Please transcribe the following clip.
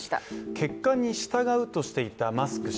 結果に従うとしていたマスク氏。